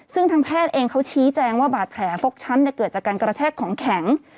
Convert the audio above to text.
ซึ่งทางแพทย์เองเขาชี้แจงว่าบาดแผลฟกช้ำเกิดจากการกระแทกของแข็ง